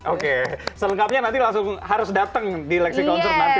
oke selengkapnya nanti harus dateng di leksi konsert nanti